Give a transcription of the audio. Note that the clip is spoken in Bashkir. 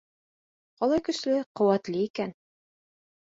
Ҡалай көслө, ҡеүәтле икән.